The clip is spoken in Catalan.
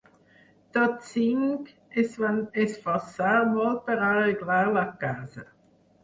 Tots cinc es van esforçar molt per arreglar la casa.